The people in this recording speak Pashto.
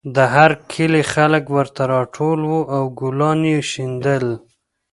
د هر کلي خلک ورته راټول وو او ګلان یې شیندل